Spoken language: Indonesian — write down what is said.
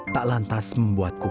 tak lantas membuatku puas